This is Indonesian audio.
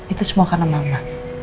itu semua karena mama